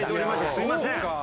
すみません。